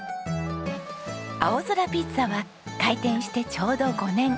あおぞらピッツァは開店してちょうど５年。